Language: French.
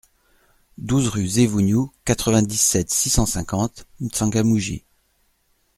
douze rue Zevougnou, quatre-vingt-dix-sept, six cent cinquante, M'Tsangamouji